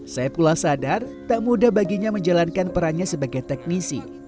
saya pula sadar tak mudah baginya menjalankan perannya sebagai teknisi